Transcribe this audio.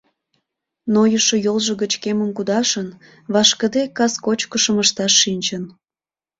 Нойышо йолжо гыч кемым кудашын, вашкыде, кас кочкышым ышташ шинчын.